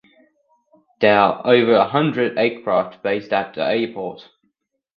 There are over a hundred aircraft based at the airport.